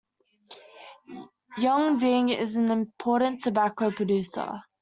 Yongding is an important tobacco producer.